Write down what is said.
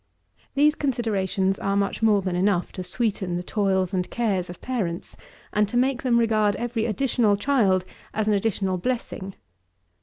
10. These considerations are much more than enough to sweeten the toils and cares of parents, and to make them regard every additional child as an additional blessing.